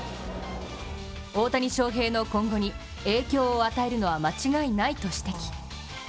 大谷翔平の今後に影響を与えるのは間違いないと指摘。